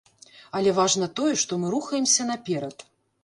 Але важна тое, што мы рухаемся наперад.